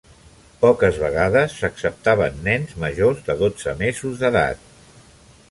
Poques vegades s'acceptaven nens majors de dotze mesos d'edat.